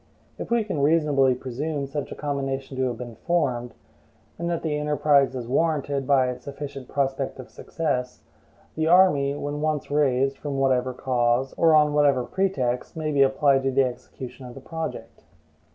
If we can reasonably presume such a combination to have been formed, and that the enterprise is warranted by a sufficient prospect of success, the army, when once raised, from whatever cause, or on whatever pretext, may be applied to the execution of the project.